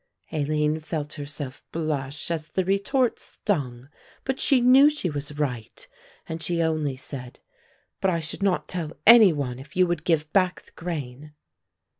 Aline felt herself blush, as the retort stung, but she knew she was right, and she only said, "But I should not tell any one if you would give back the grain."